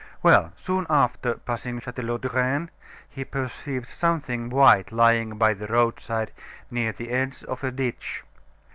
Well, soon after passing Chatelaudren, he perceived something white lying by the roadside, near the edge of a ditch.